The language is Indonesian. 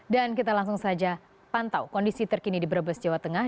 dan kita langsung saja pantau kondisi terkini di brebes jawa tengah